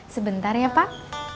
sebentar ya pak